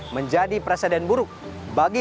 menjadi presiden buruk bagi